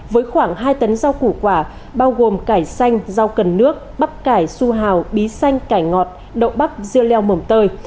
với khoảng hai tấn rau củ quả bao gồm cải xanh rau cần nước bắp cải su hào bí xanh cải ngọt đậu bắp rêu leo mẩm tơi